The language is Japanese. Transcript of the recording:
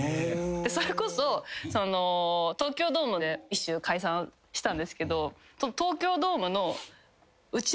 それこそ東京ドームでＢｉＳＨ解散したんですけど。